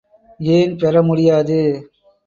ஏன் பெற முடியாது.